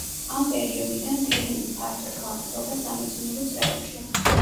ამ პერიოდიდან ტერმინი ფართოდ გავრცელდა სამეცნიერო წრეებში.